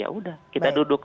ya udah kita duduk